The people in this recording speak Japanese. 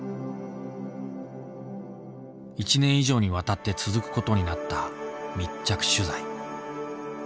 １年以上にわたって続くことになった密着取材。